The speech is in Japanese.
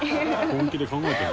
本気で考えてるよ。